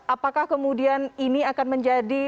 apakah kemudian ini akan menjadi